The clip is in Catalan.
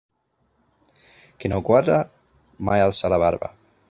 Qui no guarda, mai alça la barba.